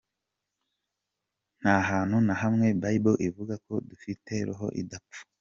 Nta hantu na hamwe Bible ivuga ko dufite Roho idapfa.